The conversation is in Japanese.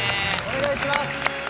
お願いします！